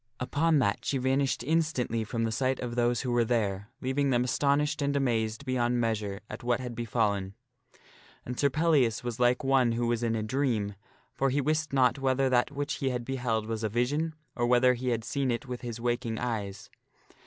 Upon that she vanished instantly from the sight of those who were there, leaving them astonished and amazed beyond measure at what had befallen. And Sir Pellias was like one who was in a dream, for he wist not whether that which he had beheld was a vision, or whether he had seen it with his waking eyes.